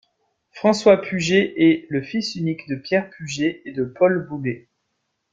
François Puget est le fils unique de Pierre Puget et de Paule Boulet.